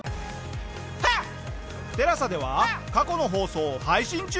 ＴＥＬＡＳＡでは過去の放送を配信中！